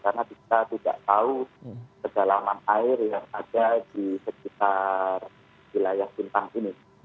karena kita tidak tahu kedalaman air yang ada di sekitar wilayah pintang ini